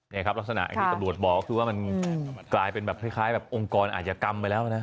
นี่ครับลักษณะตำรวจบอกว่ามันกลายเป็นแบบองค์กรอาศกรรมไปแล้วนะ